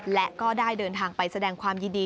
และก็ได้เดินทางไปแสดงความยินดี